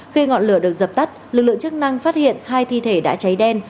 khi ngọn lửa được dập tắt lực lượng chức năng phát hiện hai thi thể đã cháy đen